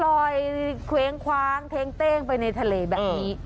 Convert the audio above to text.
ลอยคว้างเท้งต้เป้งไปในทะเลแบบนี้